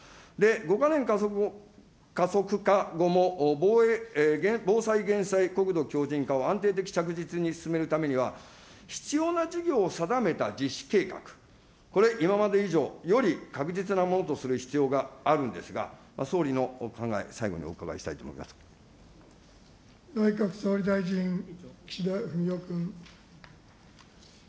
５か年加速化後も、防災・減災、国土強靭化を安定的、着実に進めるためには、必要な事業を定めた実施計画、これ、今まで以上より確実なものとする必要があるんですが、総理の考え、内閣総理大臣、岸田文雄君。